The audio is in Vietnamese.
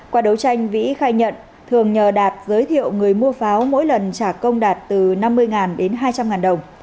qua đấu tranh vĩ khai nhận thường nhờ đạt giới thiệu người mua pháo mỗi lần trả công đạt từ năm mươi đến hai trăm linh đồng